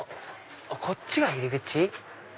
こっちが入り口？